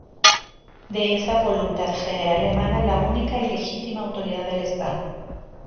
De esa voluntad general emana la única y legítima autoridad del Estado.